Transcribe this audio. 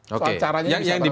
soal caranya bisa berangkat